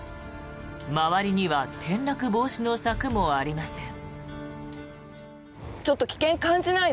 周りには転落防止の柵もありません。